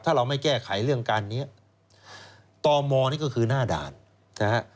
ถ้าเราไม่แก้ไขเรื่องการเนี้ยตมนี่ก็คือหน้าด่านนะฮะ